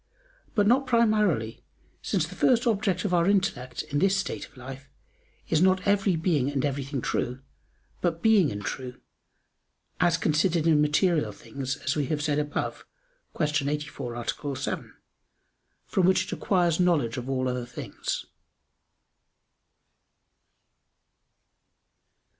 But not primarily, since the first object of our intellect, in this state of life, is not every being and everything true, but being and true, as considered in material things, as we have said above (Q. 84, A. 7), from which it acquires knowledge of all other things.